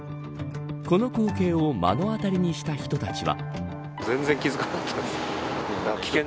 この光景を目の当たりにした人たちは。